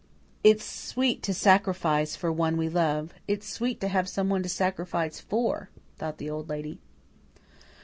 "It's sweet to sacrifice for one we love it's sweet to have someone to sacrifice for," thought the Old Lady.